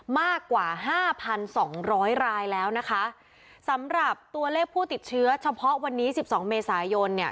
มากกว่าห้าพันสองร้อยรายแล้วนะคะสำหรับตัวเลขผู้ติดเชื้อเฉพาะวันนี้สิบสองเมษายนเนี่ย